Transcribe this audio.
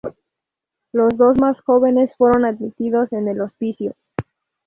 Los dos más jóvenes fueron admitidos en el hospicio.